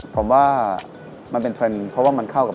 ผมว่ามันเป็นเทรนด์เพราะว่ามันเข้ากับ